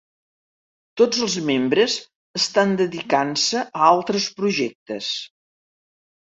Tots els membres estan dedicant-se a altres projectes.